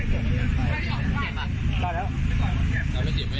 พี่มาจากไหนครับพี่